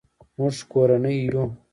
مونږ کورنۍ یو